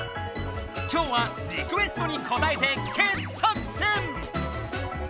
今日はリクエストにこたえて傑作選！